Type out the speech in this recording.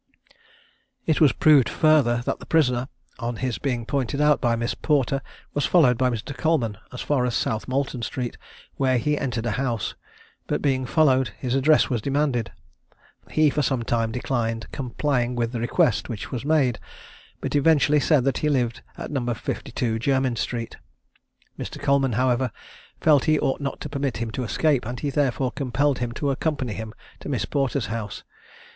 It was proved further, that the prisoner, on his being pointed out by Miss Porter, was followed by Mr. Coleman as far as South Molton street, where he entered a house, but being followed, his address was demanded. He for some time declined complying with the request which was made, but eventually said that he lived at No. 52, Jermyn street. Mr. Coleman, however, felt that he ought not to permit him to escape, and he therefore compelled him to accompany him to Miss Porter's house.